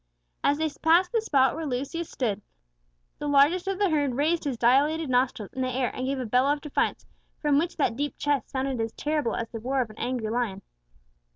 As they passed the spot where Lucius stood, the largest of the herd raised his dilated nostrils in the air, and gave a bellow of defiance, which from that deep chest sounded terrible as the roar of an angry lion.